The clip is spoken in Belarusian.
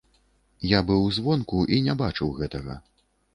Я быў звонку, і не бачыў гэтага.